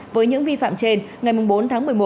với những vi phạm trên ngày bốn tháng một mươi một